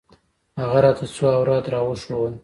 هغه راته څو اوراد راوښوول.